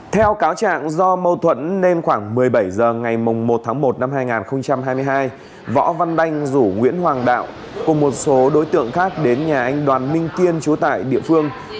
theo cáo trạng do mâu thuẫn nên khoảng một mươi bảy h ngày một tháng một năm hai nghìn hai mươi hai võ văn đanh rủ nguyễn hoàng đạo cùng một số đối tượng khác đến nhà anh đoàn minh kiên chú tại địa phương